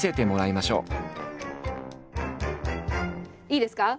いいですか？